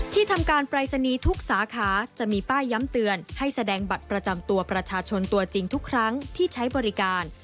ทำการปรายศนีย์ทุกสาขาจะมีป้ายย้ำเตือนให้แสดงบัตรประจำตัวประชาชนตัวจริงทุกครั้งที่ใช้บริการ